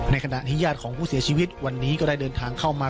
ขณะที่ญาติของผู้เสียชีวิตวันนี้ก็ได้เดินทางเข้ามา